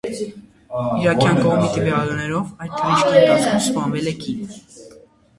Իրաքյան կողմի տվյալներով այդ թռիչքի ընթացքում սպանվել է կին։